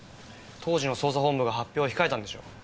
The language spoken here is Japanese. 当時の捜査本部が発表を控えたんでしょう。